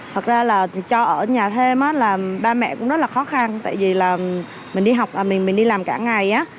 thật ra là cho ở nhà thêm là ba mẹ cũng rất là khó khăn tại vì là mình đi làm cả ngày á